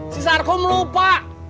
si sarko melupa